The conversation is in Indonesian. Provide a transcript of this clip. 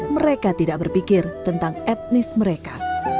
mereka tidak berpikir tentang etnis mereka